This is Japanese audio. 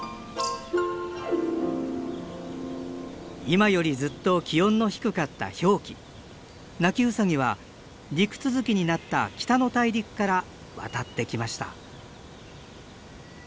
今よりずっと気温の低かった氷期ナキウサギは陸続きになった北の大陸から渡ってきました。